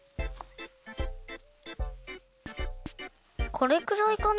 これくらいかな？